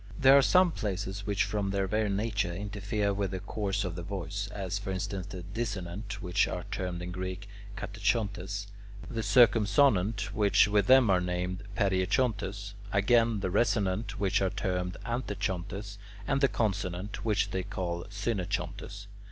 There are some places which from their very nature interfere with the course of the voice, as for instance the dissonant, which are termed in Greek [Greek: katechountes]; the circumsonant, which with them are named [Greek: periechountes]; again the resonant, which are termed [Greek: antechountes]; and the consonant, which they call [Greek: synechountes].